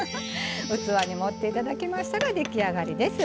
器に盛っていただきましたら出来上がりです。